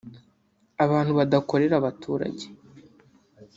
abantu badakorera abaturage